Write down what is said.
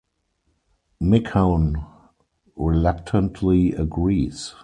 Michonne reluctantly agrees.